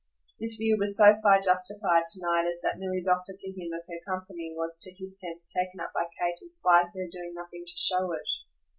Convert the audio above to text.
This view was so far justified to night as that Milly's offer to him of her company was to his sense taken up by Kate in spite of her doing nothing to show it.